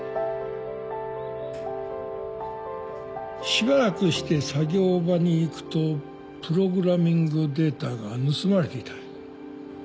しばらくして作業場に行くとプログラミングデータが盗まれていた。